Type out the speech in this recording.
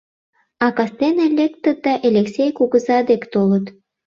А кастене лектыт да Элексей кугыза дек толыт.